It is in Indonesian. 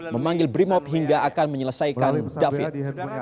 memanggil brimob hingga akan menyelesaikan david